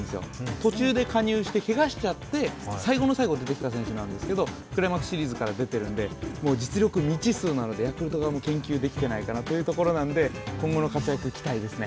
途中で加入して、けがしちゃって、最後の最後に出てきた選手ですがクライマックスシリーズから出ているので、実力未知数なので、ヤクルト側も研究できてないかなと思うんで今後の活躍、期待ですね。